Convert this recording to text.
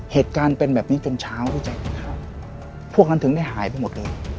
เหตุการณ์เป็นแบบนี้จนเช้าพี่แจ๊คพวกนั้นถึงได้หายไปหมดเลย